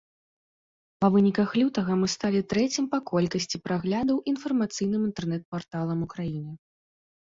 Па выніках лютага мы сталі трэцім па колькасці праглядаў інфармацыйным інтэрнэт-парталам у краіне.